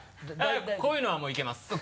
こういうのはもういけます。